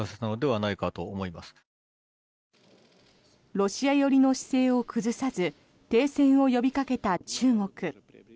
ロシア寄りの姿勢を崩さず停戦を呼びかけた中国。